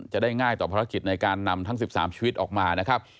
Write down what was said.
จะได้ง่ายต่อภารกิจในการนำทั้ง๑๓ชีวิตออกมานะครับ